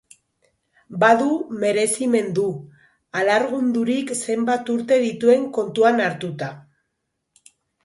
Badu merezimendu, alargundurik zenbat urte dituen kontuan hartuta.